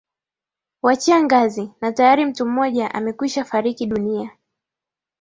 wachia ngazi na tayari mtu mmoja amekwisha fariki dunia